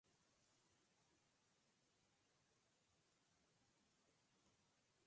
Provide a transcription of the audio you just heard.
Su estructura sigue las directrices del llamado renacimiento vasco.